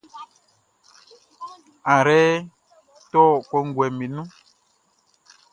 Ayrɛʼn tɔ kɔnguɛʼm be nun.